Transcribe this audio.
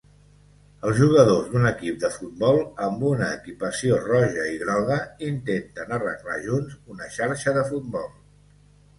Els jugadors d'un equip de futbol, amb una equipació roja i groga, intenten arreglar junts una xarxa de futbol.